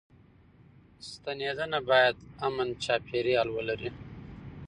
ستنېدنه بايد امن چاپيريال ولري.